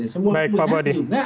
semua itu juga